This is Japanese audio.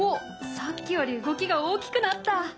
さっきより動きが大きくなった。